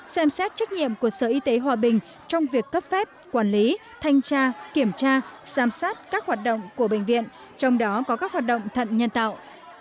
xem xét trách nhiệm của sở y tế hòa bình trong việc cấp phép quản lý thanh tra kiểm tra giám sát các hoạt động của bệnh viện trong đó có các hoạt động thận nhân tạo